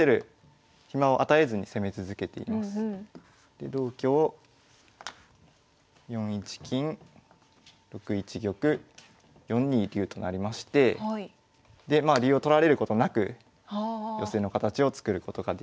で同香４一金６一玉４二竜となりましてでまあ竜を取られることなく寄せの形を作ることができました。